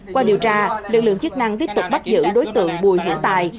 qua điều tra lực lượng chức năng tiếp tục bắt giữ đối tượng bùi hữu tài